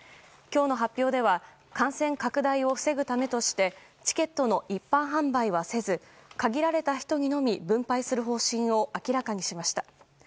今日の発表では感染拡大を防ぐためとしてチケットの一般販売はせず限られた人にのみ分配する方針を明らかにしました。